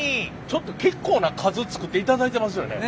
ちょっと結構な数作っていただいてますよね？